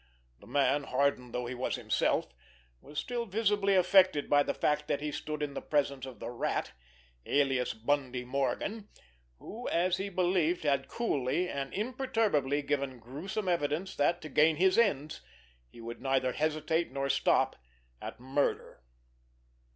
The man, hardened though he was himself, was still visibly affected by the fact that he stood in the presence of the Rat, alias Bundy Morgan, who, as he believed, had coolly and imperturbably given gruesome evidence that, to gain his ends, he would neither hesitate nor stop at murder.